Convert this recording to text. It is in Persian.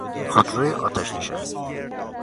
خودروی آتش نشانی